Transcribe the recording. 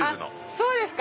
そうですか！